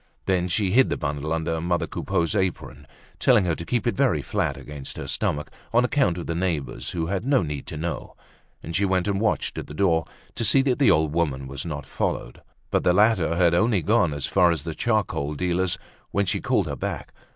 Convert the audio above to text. Then she hid the bundle under mother Coupeau's apron, telling her to keep it very flat against her stomach, on account of the neighbors who had no need to know; and she went and watched at the door to see that the old woman was not followed. But the latter had only gone as far as the charcoal dealer's when she called her back.